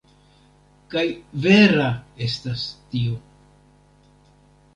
Kaj vera estas tio.